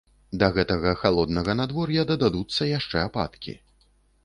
Да гэтага халоднага надвор'я дададуцца яшчэ ападкі.